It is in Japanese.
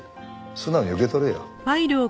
素直に受け取れよ。